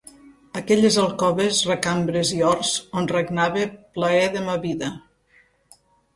Aquelles alcoves, recambres i horts on regnava Plaerdemavida.